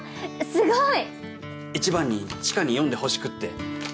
すごい！一番に知花に読んでほしくって。